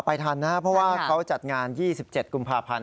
ทันนะครับเพราะว่าเขาจัดงาน๒๗กุมภาพันธ